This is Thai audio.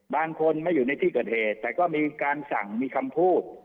บางคนไม่อยู่ในที่เกิดเหตุแต่ก็มีการสั่งมีคำพูด